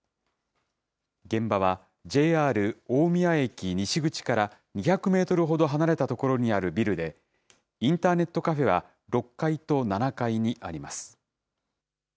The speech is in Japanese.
現場はＪＲ大宮駅西口から２００メートルほど離れた所にあるビルで、インターネットカフェは６階と７階にあります。